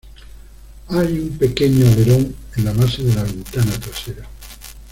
Hay un pequeño alerón en la base de la ventana trasera.